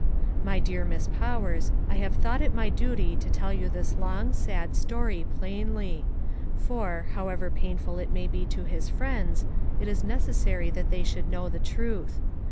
My dear Miss Powers, I have thought it my duty to tell you this long, sad story, plainly; for, however pain ful it may be to his friends, it is necessary that they should know the truth.